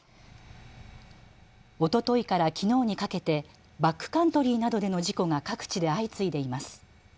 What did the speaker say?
おとといからきのうにかけてバックカントリーなどでの事故が各地で相次いでいます。